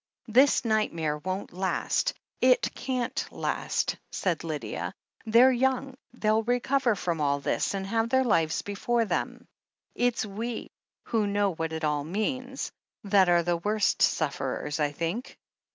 "This nightmare won't last — it can't last," said Lydia. "They're young — ^they'll recover from all this, and have their lives before them. It's we, who know what it all means, that are the worst sufferers, I think.